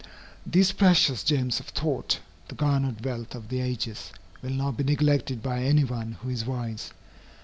These precious gems of thought, the garnered wealth of the ages, will not be neglected by any one who is wise.